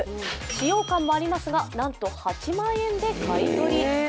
使用感もありますが、なんと８万円で買い取り。